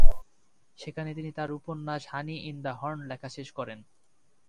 সেখানে তিনি তার উপন্যাস "হানি ইন দ্য হর্ন" লেখা শেষ করেন।